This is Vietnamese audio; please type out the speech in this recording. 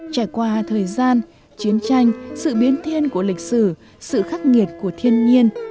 trải qua thời gian chiến tranh sự biến thiên của lịch sử sự khắc nghiệt của thiên nhiên